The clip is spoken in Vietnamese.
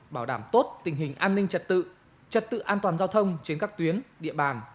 bảo đảm tốt tình hình an ninh trật tự trật tự an toàn giao thông trên các tuyến địa bàn